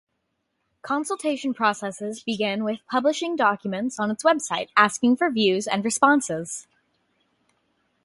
Consultation processes begin with publishing documents on its website, asking for views and responses.